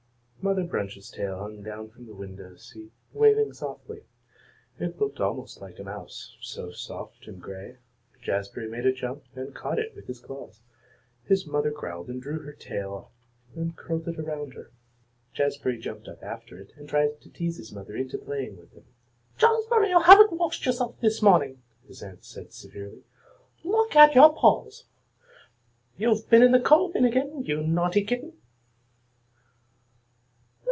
Mother Bunch's tail hung down from the window seat, waving softly. It looked almost like a mouse, so soft and grey. Jazbury made a jump, and caught it with his claws. His mother growled and drew her tail up and curled it around her. Jazbury jumped up after it, and tried to tease his mother into playing with him. "Jazbury, you haven't washed yourself this morning," said his aunt severely. "Look at your paws. You've been in the coal bin again, you naughty kitten."